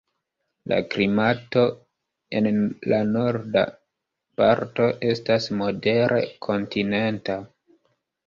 La klimato en la norda parto estas modere kontinenta.